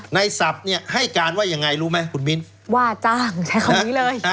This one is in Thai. นายศัพท์ให้การว่ายังไงรู้ไหมคุณมินว่าจ้างได้คำนี้เลย